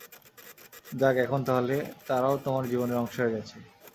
যাক এখন তাহলে তারাও তোমার জীবনের অংশ হয়ে গেছে।